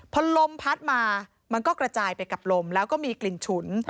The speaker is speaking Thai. พอลมพัดมามันก็กระจายไปกับลมแล้วก็มีกลิ่นฉุน